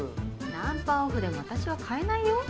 何パーオフでも私は買えないよ。